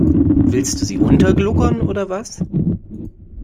Willst du sie untergluckern oder was?